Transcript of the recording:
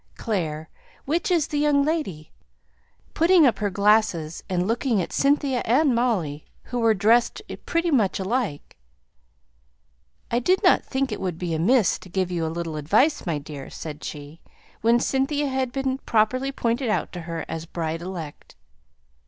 Clare, which is the young lady?" putting up her glasses, and looking at Cynthia and Molly, who were dressed pretty much alike. "I did not think it would be amiss to give you a little advice, my dear," said she, when Cynthia had been properly pointed out to her as bride elect.